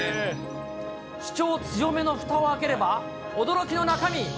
主張強めをふたを開ければ、驚きの中身。